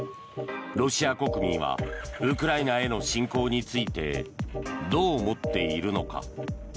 ロシア国民はウクライナへの侵攻についてどう思っているのか。